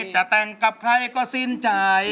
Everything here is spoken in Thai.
จะแต่งกับใครก็สิ้นใจ